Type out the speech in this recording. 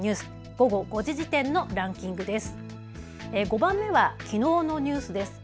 午後５時時点のランキングです。